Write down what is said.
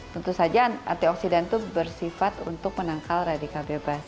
tentu saja antioksidan itu bersifat untuk menangkal radikal bebas